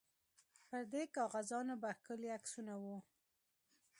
پر دې کاغذانو به ښکلي عکسونه وو.